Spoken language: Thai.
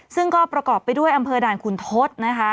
ซึ่งก็ประกอบไปด้วยอำเภอด่านขุนทศนะคะ